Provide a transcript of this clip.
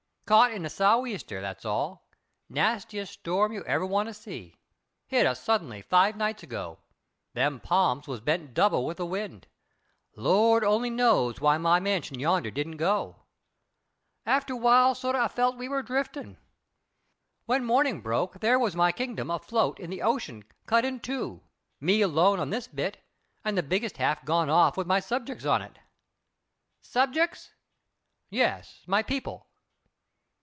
Caught in a sou'easter, that's all. Nastiest storm you ever want to see. Hit us suddenly five nights ago. Them palms was bent double with the wind. Lord only knows why my mansion yonder didn't go. After while sort a felt we were driftin'. When mornin' broke there was my kingdom afloat in the ocean cut in two, me alone on this bit and the biggest half gone off with my subjects on it." "Subjects?" "Yes, my people."